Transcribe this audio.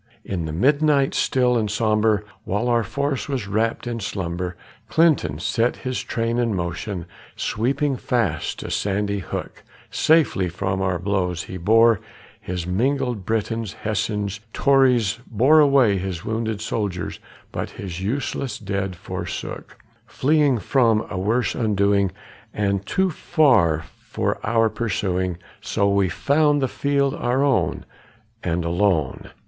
In the midnight still and sombre, while our force was wrapt in slumber, Clinton set his train in motion, sweeping fast to Sandy Hook; Safely from our blows he bore his mingled Britons, Hessians, Tories Bore away his wounded soldiers, but his useless dead forsook; Fleeing from a worse undoing, and too far for our pursuing: So we found the field our own, and alone.